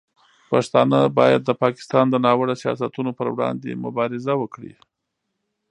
پښتانه باید د پاکستان د ناوړه سیاستونو پر وړاندې مبارزه وکړي.